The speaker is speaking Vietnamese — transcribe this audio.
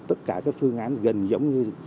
tất cả các phương án gần giống như vậy